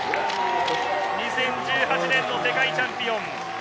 ２０１８年の世界チャンピオン。